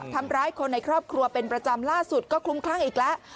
ทำร้ายคนในครอบครัวเป็นประจำล่าสุดก็คลุมคลั่งอีกแล้ว